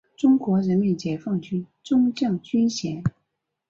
中国人民解放军中将军衔。